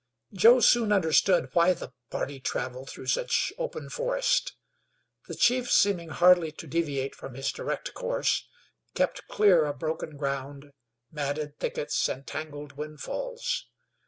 Joe soon understood why the party traveled through such open forest. The chief, seeming hardly to deviate from his direct course, kept clear of broken ground, matted thickets and tangled windfalls.